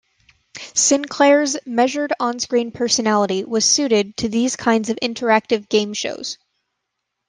Sinclair's measured on-screen personality was suited to these kinds of interactive game shows.